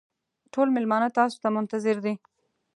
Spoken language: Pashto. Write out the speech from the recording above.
ټول مېلمانه تاسو ته منتظر دي.